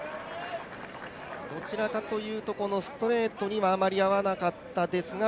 どちらかというと、ストレートにはあまり合わなかったですが、